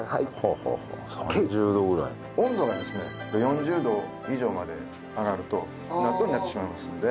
温度がですね４０度以上まで上がると納豆になってしまいますので。